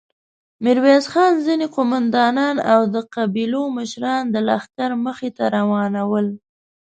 ميرويس خان، ځينې قوماندانان او د قبيلو مشران د لښکر مخې ته روان ول.